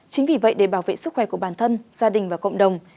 chính vì vậy để bảo vệ sức khỏe của bản thân gia đình và cộng đồng